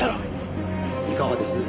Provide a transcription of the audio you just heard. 「いかがです？